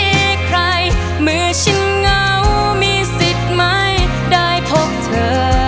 มีใครมือฉันเงามีสิทธิ์ไม่ได้พบเธอ